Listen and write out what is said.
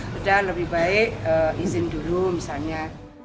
sudah lebih baik izin dulu misalnya